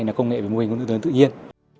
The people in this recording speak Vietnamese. là công nghệ về mô hình của nữ tướng tự nhiên